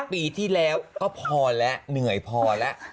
ปีที่แล้วก็พอแล้วเหนื่อยพอแล้ว